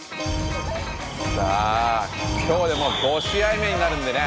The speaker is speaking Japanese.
さあ今日でもう５試合目になるんでね